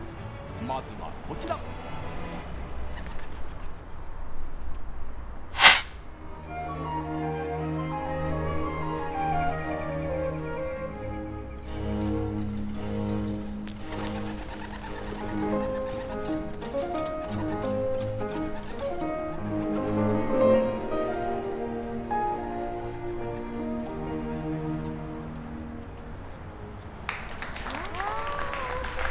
まずはこちら！わ面白い。